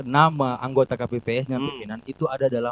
nama anggota kpps dan pimpinan itu ada dalam